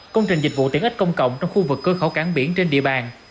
công trình dịch vụ tiện ích công cộng trong khu vực cơ khẩu cảng biển trên địa bàn